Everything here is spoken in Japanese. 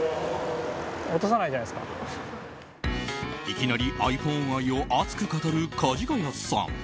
いきなりｉＰｈｏｎｅ愛を熱く語る、かじがやさん。